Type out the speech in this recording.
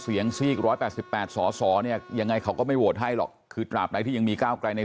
ก็คงเป็นอันนี้เป็นสิทธิ์ของเพื่อไทยนะครับ